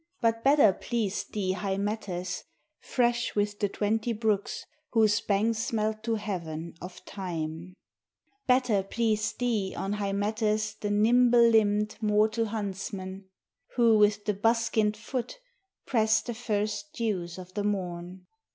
But better pleased thee Hymettus, Fresh with the twenty brooks whose banks smelt to heaven of thyme; Better pleased thee on Hymettus the nimble limbed, mortal huntsman, Who with the buskined foot pressed the first dews of the morn.